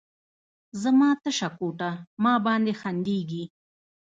زما تشه کوټه، ما باندې خندیږې